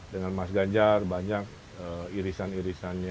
dengan mas ganjar banyak irisan irisannya